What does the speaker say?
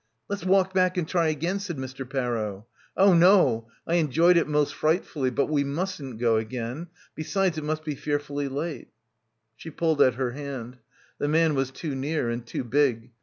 "Let's walk back and try again," said Mr. Par row. "Oh no; I enjoyed it most frightfully; but we mustn't go again. Besides, it must be fearfully late." She pulled at her hand. The man was too near and too big.